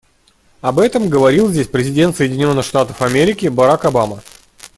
Об этом говорил здесь президент Соединенных Штатов Америки Барак Обама.